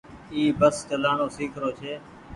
اي بس چلآڻو سيک رو ڇي۔